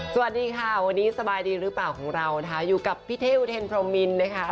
สวัสดีค่ะวันนี้สบายดีหรือเปล่าของเรานะคะอยู่กับพี่เท่อุเทนพรมมินนะคะ